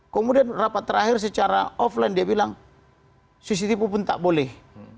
kemudian rapat terakhir secara offline dia bilang cctv pun tak boleh